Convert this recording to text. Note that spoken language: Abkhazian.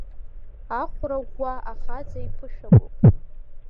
Ахәра ӷәӷәа ахаҵа иԥышәагоуп…